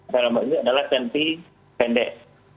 dalam ini adalah cm pendek